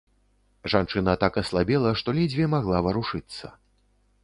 Жанчына так аслабела, што ледзьве магла варушыцца.